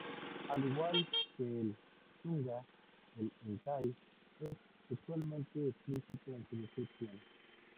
Al igual que el "shunga", el "hentai" es sexualmente explícito en su descripción.